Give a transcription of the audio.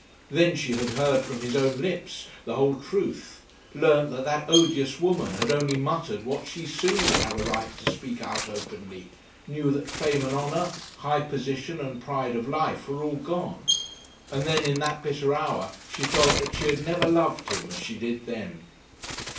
Then she heard from his own lips the whole truth, learnt that that odious woman had only muttered what she soon would have a right to speak out openly, knew that fame and honour, high position and pride of life, were all gone; and then in that bitter hour she felt that she had never loved him as she did then.